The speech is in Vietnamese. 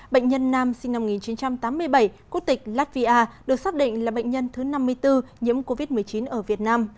bệnh nhân nam sinh năm một nghìn chín trăm tám mươi bảy quốc tịch latvia được xác định là bệnh nhân thứ năm mươi bốn nhiễm covid một mươi chín ở việt nam